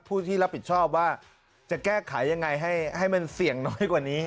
ผู้ที่รับผิดชอบว่าจะแก้ไขยังไงให้มันเสี่ยงน้อยกว่านี้